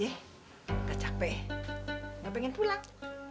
enggak capek enggak pengen pulang